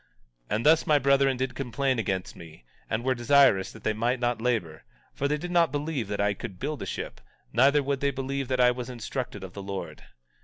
17:18 And thus my brethren did complain against me, and were desirous that they might not labor, for they did not believe that I could build a ship; neither would they believe that I was instructed of the Lord.